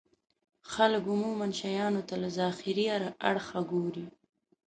خلک عموما شيانو ته له ظاهري اړخه ګوري.